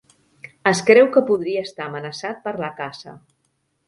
Es creu que podria estar amenaçat per la caça.